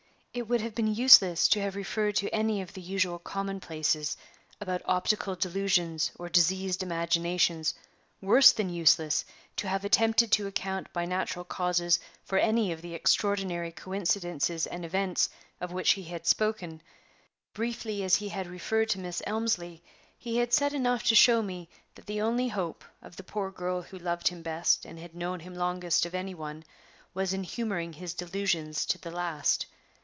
It would have been useless to have referred to any of the usual commonplaces about optical delusions or diseased imaginations worse than useless to have attempted to account by natural causes for any of the extraordinary coincidences and events of which he had spoken. Briefly as he had referred to Miss Elmslie, he had said enough to show me that the only hope of the poor girl who loved him best and had known him longest of any one was in humoring his delusions to the last.